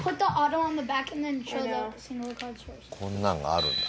こんなのがあるんだ。